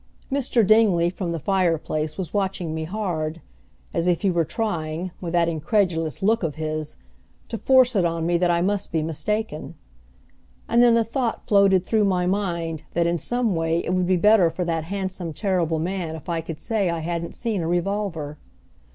Mr. Dingley, from the fireplace, was watching me hard, as if he were trying, with that incredulous look of his, to force it on me that I must be mistaken. And then the thought floated through my mind that in some way it would be better for that handsome, terrible man if I could say I hadn't seen a revolver.